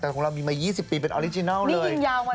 แต่ของเรามีมา๒๐ปีเป็นออริจินัลเลยนี่ยิ่งยาวมาเลย